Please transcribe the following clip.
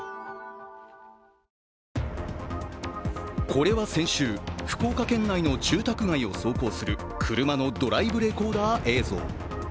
これは先週、福岡県内の住宅街を走行する車のドライブレコーダー映像。